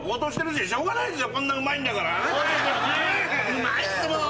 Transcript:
うまいんすもん。